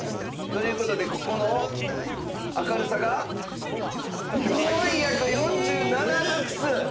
という事でここの明るさが４４７ルクス！